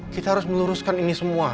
kita harus meluruskan ini semua